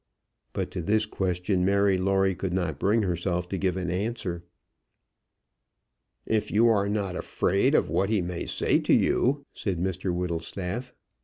But to this question Mary Lawrie could not bring herself to give an answer. "If you are not afraid of what he may say to you ?" said Mr Whittlestaff.